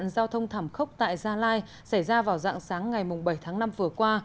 giao thông thảm khốc tại gia lai xảy ra vào dạng sáng ngày bảy tháng năm vừa qua